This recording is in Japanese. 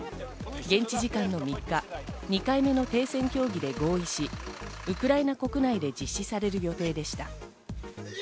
現地時間の３日、２回目の停戦協議で合意し、ウクライナ国内で実施される予定でした。